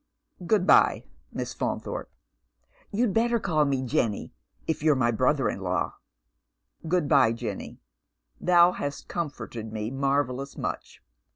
" Good bye, Miss Faunthorpe." *' You'd better call me Jenny, if you're my brother in law." *' Good bye, Jenny ; thou hast comforted me marvellous much.